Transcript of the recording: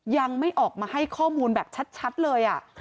ยังไม่ออกมาให้ข้อมูลแบบชัดเลย